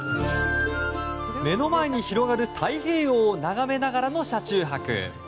目の前に広がる太平洋を眺めながらの車中泊。